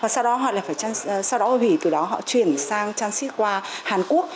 sau đó họ hủy từ đó họ chuyển sang transit qua hàn quốc